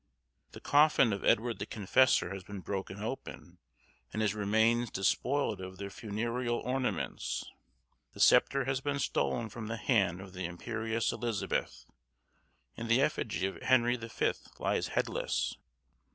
The coffin of Edward the Confessor has been broken open, and his remains despoiled of their funereal ornaments; the sceptre has been stolen from the hand of the imperious Elizabeth; and the effigy of Henry the Fifth lies headless.